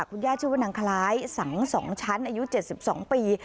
คุณย่าชื่อว่านางคล้ายสัง๒ชั้นอายุ๗๒ปี